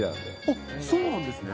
あっ、そうなんですね。